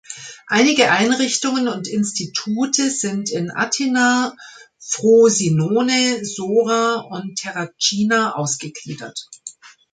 Einige Einrichtungen und Institute sind in Atina, Frosinone, Sora und Terracina ausgegliedert.